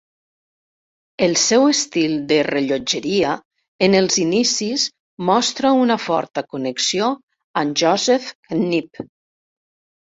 El seu estil de rellotgeria en els inicis mostra una forta connexió amb Joseph Knibb.